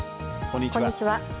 こんにちは。